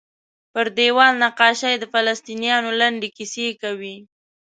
پر دیوال نقاشۍ د فلسطینیانو لنډې کیسې کوي.